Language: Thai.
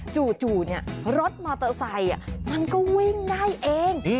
จู่รถมอเตอร์ไซค์มันก็วิ่งได้เอง